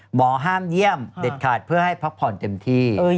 หมอห้ามเยี่ยมเด็ดขาดเพื่อให้พักผ่อนเต็มที่